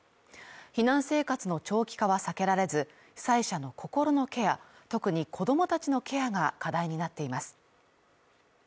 避難生活の長期化は避けられず、被災者の心のケア特に子供たちのケアが課題になっています。